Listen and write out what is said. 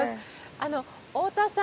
あの太田さん